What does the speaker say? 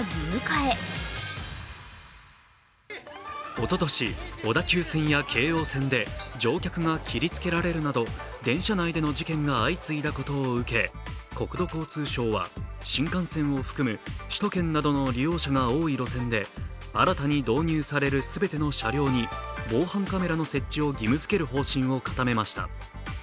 おととい、小田急線や京王線で乗客が切りつけられるなど電車内での事件が相次いだことを受け国土交通省は新幹線を含む首都圏などの利用者が多い路線で新たに導入される全ての車両に防犯カメラの設置を義務づける方針を固めました。